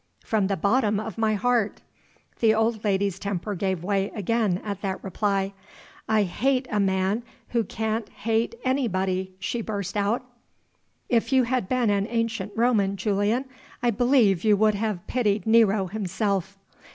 "From the bottom of my heart." The old lady's temper gave way again at that reply. "I hate a man who can't hate anybody!" she burst out. "If you had been an ancient Roman, Julian, I believe you would have pitied Nero himself."